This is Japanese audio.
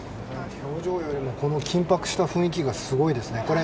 表情よりも、この緊迫した雰囲気がすごいですね。